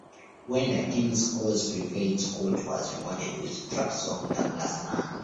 When the king's cause prevailed Scott was rewarded with tracts of Douglas land.